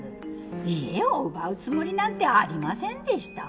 家を奪うつもりなんてありませんでした。